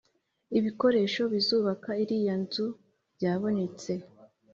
ibikoresho bizubaka iriya nzu byabonetse